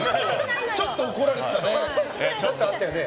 ちょっと怒られてたね。